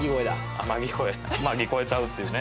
天城越えちゃうっていうね。